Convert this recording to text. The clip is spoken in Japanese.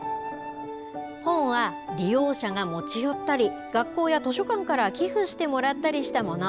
本は利用者が持ち寄ったり学校や図書館から寄付してもらったりしたもの。